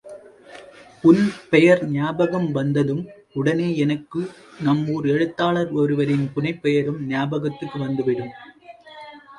உன் பெயர் ஞாபகம் வந்ததும், உடனே எனக்கு நம் ஊர் எழுத்தாளர் ஒருவரின் புனைப்பெயரும் ஞாபகத்துக்கு வந்துவிடும்.